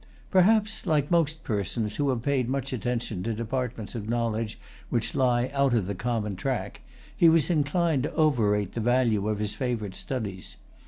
Perhaps, like most persons who have paid much attention to departments of knowledge which lie out of the common track, he was inclined to overrate the value of his favorite studies.